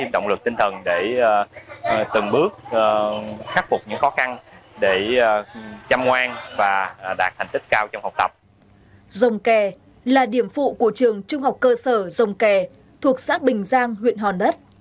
dông kè là điểm phụ của trường trung học cơ sở dông kè thuộc xã bình giang huyện hòn đất